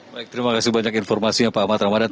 baik terima kasih banyak informasinya pak ahmad ramadan